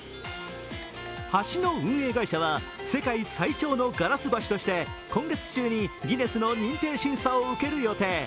橋の運営会社は、世界最長のガラス橋として今月中にギネスの認定審査を受ける予定。